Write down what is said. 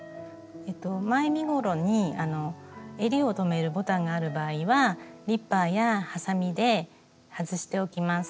前身ごろにえりを留めるボタンがある場合はニッパーやはさみで外しておきます。